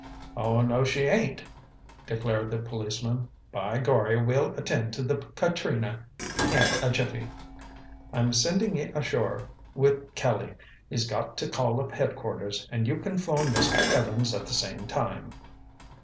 "Oh, no, she ain't—" declared the policeman. "By gorry, we'll attend to the Katrina in a jiffy. I'm sendin' ye ashore wid Kelly. He's got to call up headquarters, and you can 'phone Mr. Evans at the same time."